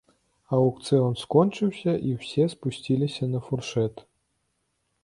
Аўкцыён скончыўся, і ўсе спусціліся на фуршэт.